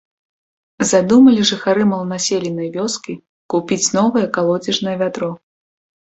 Задумалі жыхары маланаселенай вёскі купіць новае калодзежнае вядро.